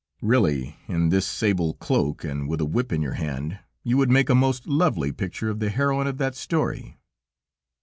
Really, in this sable cloak, and with a whip in your hand, you would make a most lovely picture of the heroine of that story."